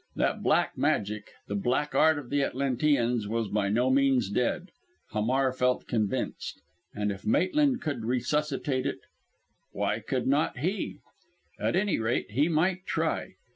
That Black Magic the Black Art of the Atlanteans was by no means dead Hamar felt convinced, and if Maitland could resuscitate it why could not he? At any rate he might try.